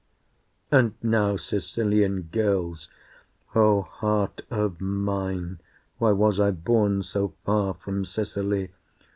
And now, Sicilian girls O heart of mine, Why was I born so far from Sicily?